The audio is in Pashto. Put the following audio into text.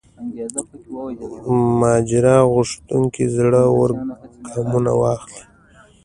ماجرا غوښتونکو زړه ور ګامونه واخلي.